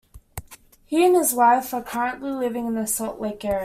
He and his wife are currently living in the Salt Lake area.